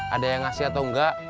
ada yang ngasih atau enggak